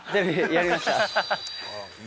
やりました。